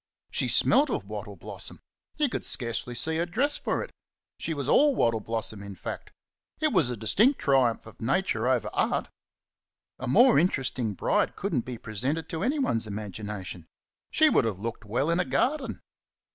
She smelt of wattle blossom you could scarcely see her dress for it she was all wattle blossom, in fact; it was a distinct triumph of Nature over Art. A more interesting bride couldn't be presented to anyone's imagination. She would have looked well in a garden.